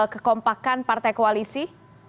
kekompakan partai koalisi